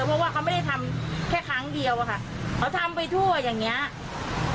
เพราะว่าเขาไม่ได้ทำแค่ครั้งเดียวอะค่ะเขาทำไปทั่วอย่างเงี้ย